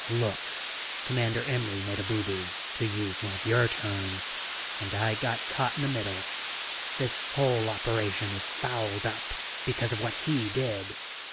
"Look, Commander Imry made a booboo, to use one of your terms, and I got caught in the middle. This whole operation is fouled up because of what he did.